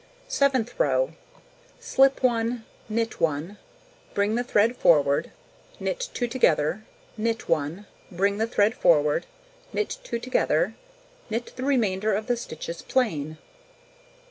Seventh row: Slip 1, knit 1, bring the thread forward, knit 2 together, knit 1, bring the thread forward, knit 2 together, knit the remainder of the stitches plain.